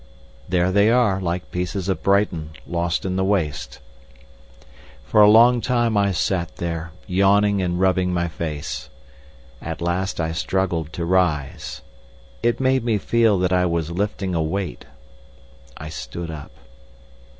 There they are, like pieces of Brighton lost in the waste. For a long time I sat there, yawning and rubbing my face. At last I struggled to rise. It made me feel that I was lifting a weight. I stood up.